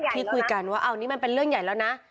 ที่คุยกันว่าเอานี่มันเป็นเรื่องใหญ่แล้วนะ